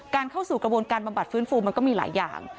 เข้าสู่กระบวนการบำบัดฟื้นฟูมันก็มีหลายอย่าง